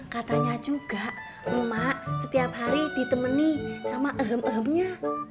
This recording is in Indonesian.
katanya juga emak setiap hari ditemenin sama ehem ehemnya